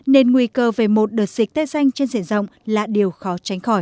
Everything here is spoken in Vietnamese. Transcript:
nên nguy cơ về một đợt dịch tay xanh trên diện rộng là điều khó tránh khỏi